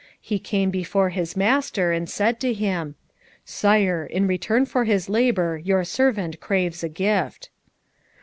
He came before his master, and said to him, "Sire, in return for his labour your servant craves a gift."